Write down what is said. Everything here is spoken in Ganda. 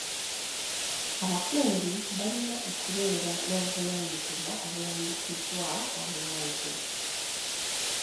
Abakungu balina okubeera n'obuvunaanyizibwa obulambikiddwa obulungi.